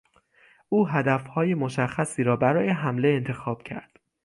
او هدفهای مشخصی را برای حمله انتخاب کرد.